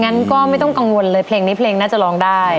งั้นก็ไม่ต้องกังวลเลยเพลงนี้เพลงน่าจะร้องได้